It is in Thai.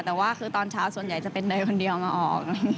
แต่ว่าคือตอนเช้าส่วนใหญ่จะเป็นเนยคนเดียวมาออก